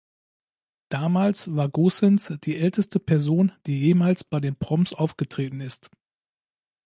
Damals war Goossens die älteste Person, die jemals bei den Proms aufgetreten ist.